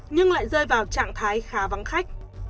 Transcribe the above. nhưng lại rơi vào trạng thái khá vắng khách